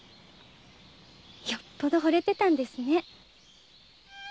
よっぽど惚れてたんですね。